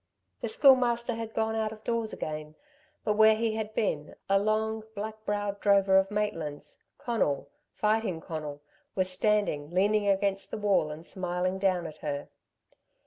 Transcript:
The Schoolmaster had gone out of doors again; but where he had been, a long, black browed drover of Maitland's, Conal Fighting Conal was standing, leaning against the wall and smiling down on her.